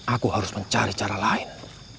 aku harus mencari cara lain